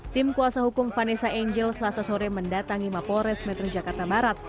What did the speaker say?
tim kuasa hukum vanessa angel selasa sore mendatangi mapolres metro jakarta barat